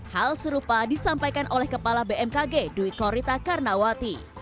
hal serupa disampaikan oleh kepala bmkg dwi korita karnawati